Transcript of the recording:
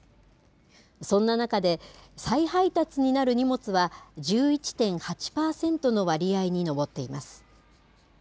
そんな中で、再配達になる荷物は、１１．８％の割合に上っています。